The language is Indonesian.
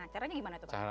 nah caranya gimana itu pak